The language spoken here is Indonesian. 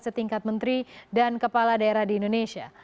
setingkat menteri dan kepala daerah di indonesia